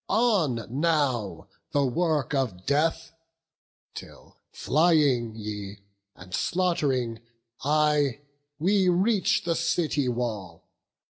On now the work of death! till, flying ye, And slaught'ring I, we reach the city wall.